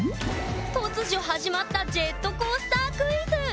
突如始まったジェットコースタークイズ！